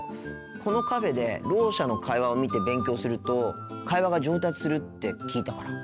このカフェでろう者の会話を見て勉強すると会話が上達するって聞いたから。